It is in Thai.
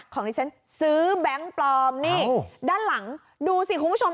ของที่ฉันซื้อแบงค์ปลอมนี่ด้านหลังดูสิคุณผู้ชม